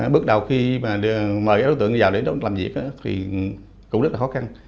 bước đầu khi mời đối tượng vào để làm việc thì cũng rất là khó khăn